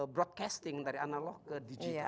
broadcasting dari analog ke digital